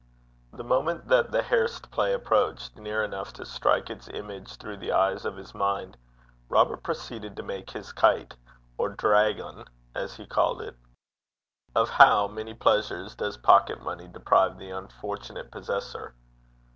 The moment that the hairst play approached near enough to strike its image through the eyes of his mind, Robert proceeded to make his kite, or draigon, as he called it. Of how many pleasures does pocket money deprive the unfortunate possessor!